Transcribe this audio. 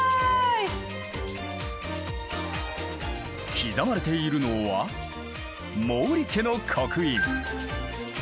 刻まれているのは毛利家の刻印。